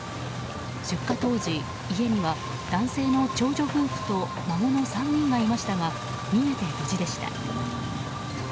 出火当時、家には男性の長女夫婦と孫の３人がいましたが逃げて無事でした。